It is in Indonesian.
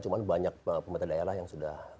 cuma banyak pemerintah daerah yang sudah